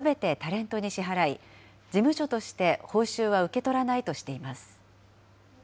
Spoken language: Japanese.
事務所は、今後１年間、出演料はすべてタレントに支払い、事務所として報酬は受け取らないとしています。